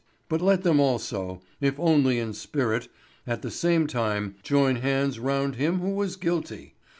But let them also, if only in spirit, at the same time join hands round him who was guilty.